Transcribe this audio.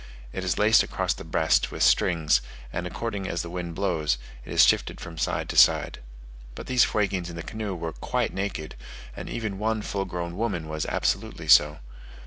It is laced across the breast by strings, and according as the wind blows, it is shifted from side to side. But these Fuegians in the canoe were quite naked, and even one full grown woman was absolutely so.